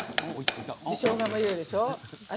しょうがも入れるでしょ。